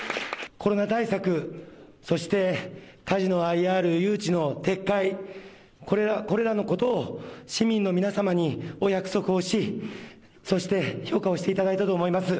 コロナ対策、そしてカジノＩＲ誘致の撤回、これらのことを市民の皆様にお約束をしそして評価をしていただいたと思います。